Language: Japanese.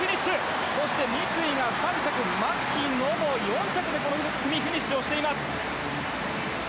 そして三井が３着牧野も４着でこの組、フィニッシュをしています。